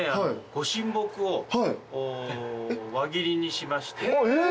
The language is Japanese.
ご神木を輪切りにしまして。